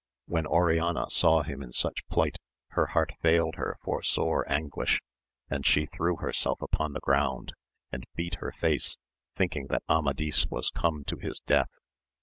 When Oriana VOL. n. 7 98 AMADIS OF GAUL. saw him in such plight her heart failed her for sore anguish, and she threw herself upon the ground, and beat her face, thinking that Amadis was come to his death.